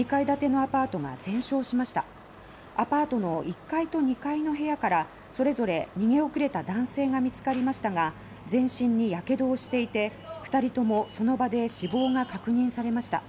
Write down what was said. アパートの１階と２階の部屋からそれぞれ逃げ遅れた男性が見つかりましたが全身にやけどをしていて２人ともその場で死亡が確認されました。